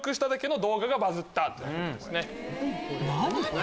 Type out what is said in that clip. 何？